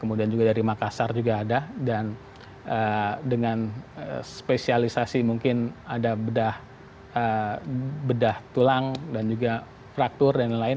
kemudian juga dari makassar juga ada dan dengan spesialisasi mungkin ada bedah tulang dan juga fraktur dan lain lain